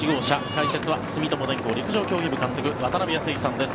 解説は住友電工陸上競技部監督山本さんです。